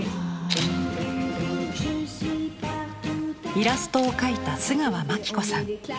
イラストを描いた須川まきこさん。